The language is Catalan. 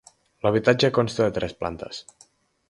L'habitatge consta de tres plantes.